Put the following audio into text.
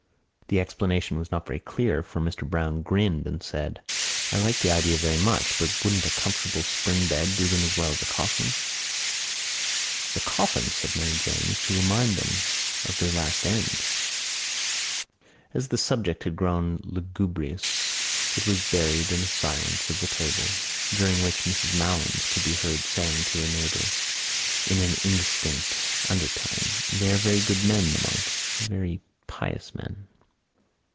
The explanation was not very clear for Mr Browne grinned and said: "I like that idea very much but wouldn't a comfortable spring bed do them as well as a coffin?" "The coffin," said Mary Jane, "is to remind them of their last end." As the subject had grown lugubrious it was buried in a silence of the table during which Mrs Malins could be heard saying to her neighbour in an indistinct undertone: "They are very good men, the monks, very pious men."